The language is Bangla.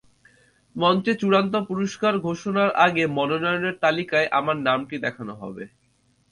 মঞ্চে চূড়ান্ত পুরস্কার ঘোষণার আগে মনোনয়নের তালিকায় আমার নামটি দেখানো হবে।